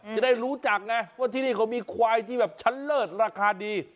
จะได้รู้จักไงว่าที่นี่เขามีควายที่แบบชั้นเลิศราคาดี